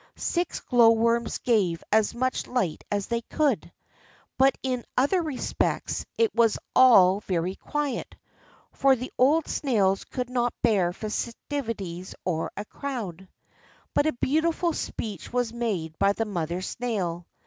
Six glowworms gave as much light as they could; but in other respects it was all very quiet; for the old snails could not bear festivities or a crowd. But a beautiful speech was made by the mother snail.